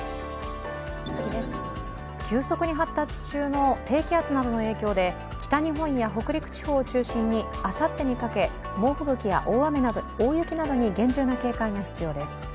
急速に発達中の低気圧などの影響で北日本や北陸地方を中心に、あさってにかけて猛吹雪や大雪などに厳重な警戒が必要です。